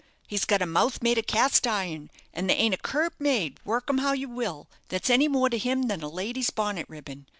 He's got a mouth made of cast iron, and there ain't a curb made, work 'em how you will, that's any more to him than a lady's bonnet ribbon.